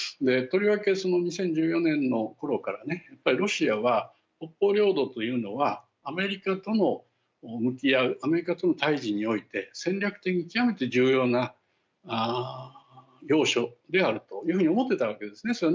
とりわけ２０１４年のころからロシアは北方領土というのはアメリカとも向き合うアメリカとの対じにおいて戦略的に極めて重要な要所であるというふうに思っていたわけですね。